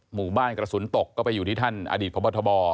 หมู่บ้านกระสุนตกก็ไปอยู่ที่ท่านอดีตพบทบ